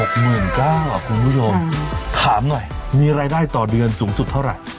คุณผู้ชมถามหน่อยมีรายได้ต่อเดือนสูงสุดเท่าไหร่